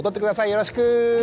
よろしく！